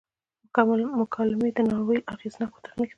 مکالمې د ناول اغیزناک تخنیک دی.